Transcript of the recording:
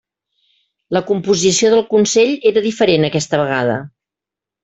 La composició del consell era diferent aquesta vegada.